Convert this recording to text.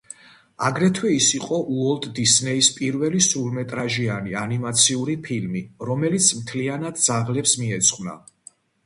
აგრეთვე, ეს იყო უოლტ დისნეის პირველი სრულმეტრაჟიანი ანიმაციური ფილმი, რომელიც მთლიანად ძაღლებს მიეძღვნა.